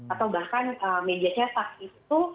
atau bahkan media cetak itu